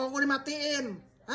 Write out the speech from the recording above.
kalau paypal saya dimatikan